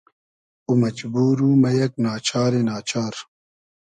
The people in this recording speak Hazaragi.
او مئجبور و مۂ یئگ نا چاری نا چار